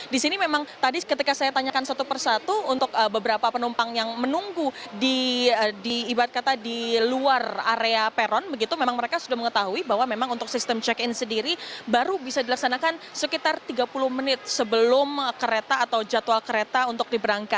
di sini memang tadi ketika saya tanyakan satu persatu untuk beberapa penumpang yang menunggu di ibarat kata di luar area peron begitu memang mereka sudah mengetahui bahwa memang untuk sistem check in sendiri baru bisa dilaksanakan sekitar tiga puluh menit sebelum kereta atau jadwal kereta untuk diberangkatkan